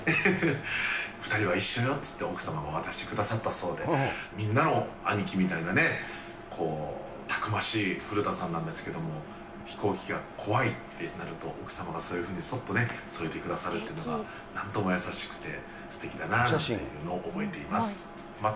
２人は一緒よって言って、奥様が渡してくださったそうで、みんなの兄貴みたいなね、たくましい古田さんなんですけど、飛行機が怖いってなると、奥様がそういうふうにそっとね、添えてくださるっていうのが、なんとも優しくてすてきだななんていうのを覚えています。